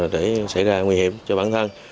để xảy ra nguy hiểm cho bản thân